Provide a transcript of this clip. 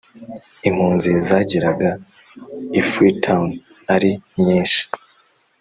impunzi zageraga i Freetown ari nyinshi